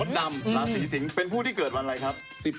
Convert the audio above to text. ดำราศีสิงศ์เป็นผู้ที่เกิดวันอะไรครับ